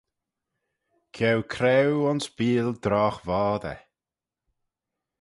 Ceau craue ayns beeal drogh voddey